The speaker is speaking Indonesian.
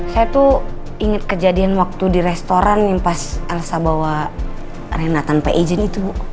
saya tuh inget kejadian waktu di restoran yang pas elsa bawa rena tanpa ejen itu bu